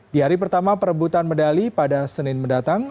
di hari pertama perebutan medali pada senin mendatang